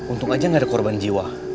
untung aja nggak ada korban jiwa